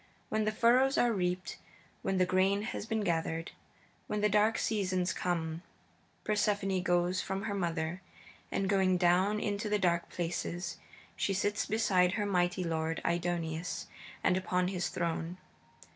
When the furrows are reaped, when the grain has been gathered, when the dark season comes, Persephone goes from her mother, and going down into the dark places, she sits beside her mighty lord Aidoneus and upon his throne.